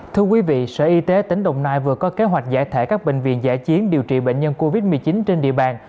thưa quý vị sở y tế tỉnh đồng nai vừa có kế hoạch giải thể các bệnh viện giải chiến điều trị bệnh nhân covid một mươi chín trên địa bàn